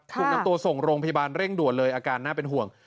ถูกนำตัวส่งโรงพยาบาลเร่งด่วนเลยอาการน่าเป็นห่วง